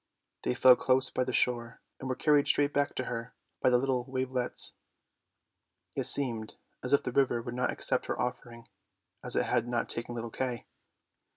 They fell close by the shore, and were carried straight back to her by the little wavelets ; it seemed as if the river would not accept her offering, as it had not taken little Kay.